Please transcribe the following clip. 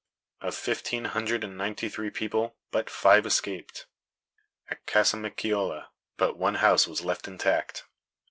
Of fifteen hundred and ninety three people but five escaped. At Casamicciola but one house was left intact.